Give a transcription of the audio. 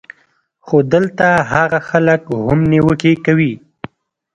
خو دلته هاغه خلک هم نېوکې کوي